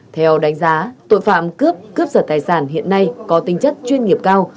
theo đánh giá tội phạm cướp cướp giật tài sản hiện nay có tinh chất chuyên nghiệp cao